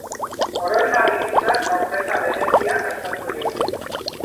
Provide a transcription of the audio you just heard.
Oroigarri gisa sorpresa berezia prestatu diote.